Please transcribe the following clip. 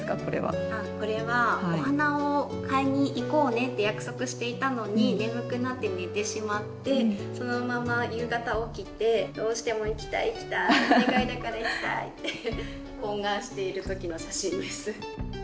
これはお花を買いにいこうねって約束していたのに眠くなって寝てしまってそのまま夕方起きてどうしても行きたい行きたいお願いだから行きたいって懇願している時の写真です。